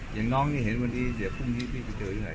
อย่างน้องนี่เห็นวันนี้เดี๋ยวพรุ่งนี้พี่ไปเจอยังไง